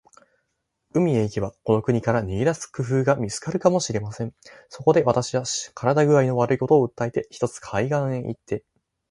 海へ行けば、この国から逃げ出す工夫が見つかるかもしれません。そこで、私は身体工合の悪いことを訴えて、ひとつ海岸へ行って